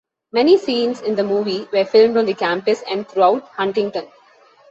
Many scenes in the movie were filmed on the campus and throughout Huntington.